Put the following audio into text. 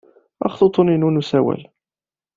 Axet uḍḍun-inu n usawal.